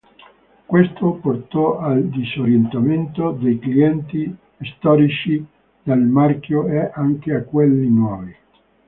Questo portò al disorientamento dei clienti storici del marchio e anche a quelli nuovi.